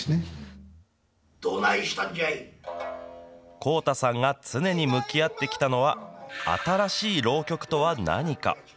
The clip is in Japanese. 幸太さんが常に向き合ってきたのは、新しい浪曲とは何か。